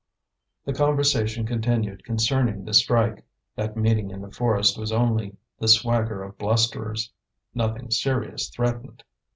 The conversation continued concerning the strike; that meeting in the forest was only the swagger of blusterers; nothing serious threatened.